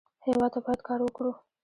هېواد ته باید کار وکړو